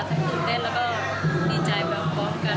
ตื่นเต้นแล้วก็ดีใจไปพร้อมกัน